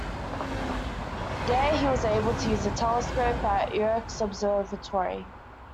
There he was able to use the telescope at Yerkes Observatory.